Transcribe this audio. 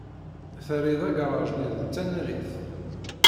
Terriḍ agaṛaj-nni d tanarit.